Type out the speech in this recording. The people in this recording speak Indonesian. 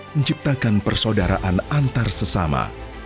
menciptakan persaudaraan antar sesama